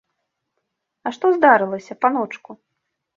А што здарылася, паночку?